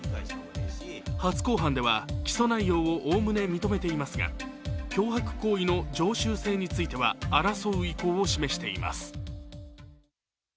初公判では起訴内容をおおむね認めていますが脅迫行為の常習性については争う意向を示しています。